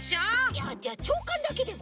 いやじゃあちょうかんだけでも。